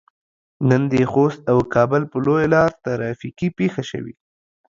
نن د خوست او کابل په لويه لار ترافيکي پېښه شوي.